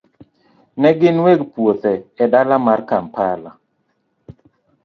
Ne gin weg puothe e dala mar Kampala.